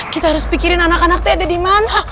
kita harus pikirin anak anak t ada dimana